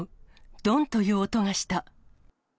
どんという音がした。